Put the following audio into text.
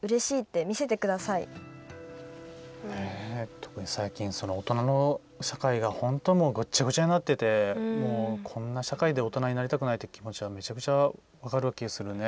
特に最近大人の社会が本当にぐっちゃぐちゃになっててこんな社会で大人になりたくないって気持ちはめちゃめちゃ分かる気がするね。